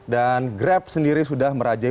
dan grab sendiri sudah merajai